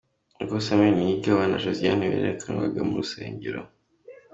Ubwo Samuel Niyigaba na Josiane berekanwaga mu rusengero.